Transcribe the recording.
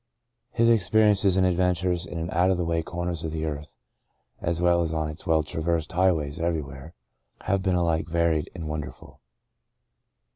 His experiences and adventures in out of the way corners of the earth as well as on its well traversed highways everywhere have been alike varied Into a Far Country 77 and wonderful.